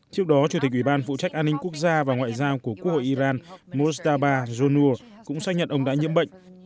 trước đó chủ tịch ủy ban phụ trách an ninh quốc gia và ngoại giao của quốc hội iran mosdaba jonur cũng xác nhận ông đã nhiễm bệnh